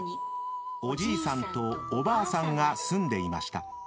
［おじいさんとおばあさんが住んでいました］